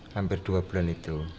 hampir dua bulan itu